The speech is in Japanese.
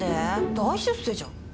大出世じゃん。